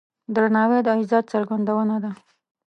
درناوی د عزت څرګندونه ده.